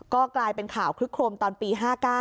ก็กลายเป็นข่าวคลึกโครมตอนปี๕๙